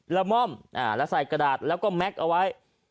ละม่อมและใส่กระดาษแล้วก็แม็กซ์เอาไว้